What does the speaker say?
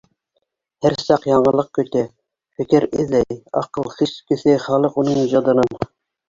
Һәр саҡ яңылыҡ көтә, фекер эҙләй, аҡыл-хис көҫәй халыҡ уның ижадынан.